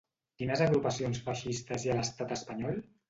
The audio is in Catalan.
Quines agrupacions feixistes hi ha a l'estat espanyol?